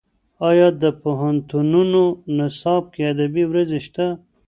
ایا د پوهنتونونو نصاب کې ادبي ورځې شته؟